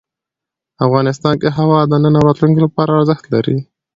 افغانستان کې هوا د نن او راتلونکي لپاره ارزښت لري.